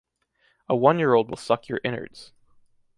A one-year old will suck your innards.